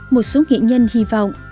một số nghệ nhân hy vọng